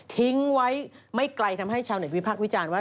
ทิ้งไว้ไม่ไกลทำให้ชาวเน็ตวิพักษ์วิจารณ์ว่า